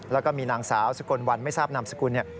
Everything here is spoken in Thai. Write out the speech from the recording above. แล้วก็มีนางสาวสกลวันไม่ทราบนามสกุล